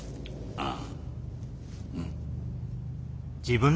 ああ。